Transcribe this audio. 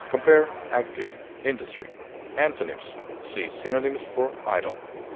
Compare ACTIVE; INDUSTRY. Antonyms: See synonyms for IDLE.